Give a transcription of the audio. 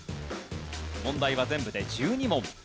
問題は全部で１２問。